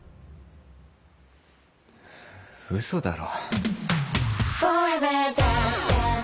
嘘だろ？